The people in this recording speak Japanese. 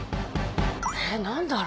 えっ何だろ？